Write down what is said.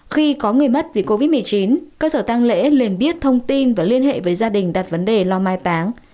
khi có người mất vì covid một mươi chín cơ sở tăng lễ liền biết thông tin và liên hệ với gia đình đặt vấn đề lo mai táng